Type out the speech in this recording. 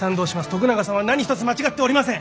徳永さんは何一つ間違っておりません。